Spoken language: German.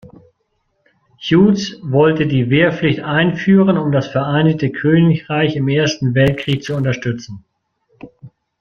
Hughes wollte die Wehrpflicht einführen, um das Vereinigte Königreich im Ersten Weltkrieg zu unterstützen.